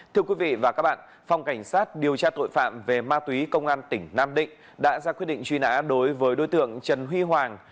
thưa quý vị và các bạn phòng cảnh sát điều tra tội phạm về ma túy công an tỉnh nam định đã ra quyết định truy nã đối với đối tượng trần huy hoàng